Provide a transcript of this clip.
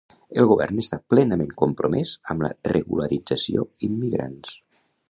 El Govern està plenament compromès amb la regularització immigrants.